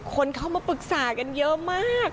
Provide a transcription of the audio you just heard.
คนเข้ามาปรึกษากันเยอะมาก